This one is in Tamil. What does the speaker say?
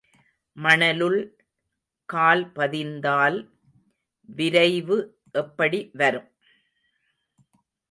மணலுள் கால் பதிந்தால் விரைவு எப்படி வரும்?